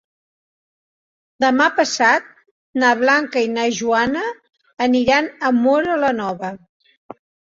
Demà passat na Blanca i na Joana van a Móra la Nova.